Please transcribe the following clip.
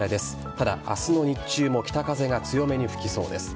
ただ、明日の日中も北風が強めに吹きそうです。